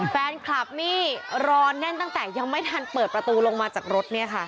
แฟนคลับนี่รอแน่นตั้งแต่ยังไม่ทันเปิดประตูลงมาจากรถเนี่ยค่ะ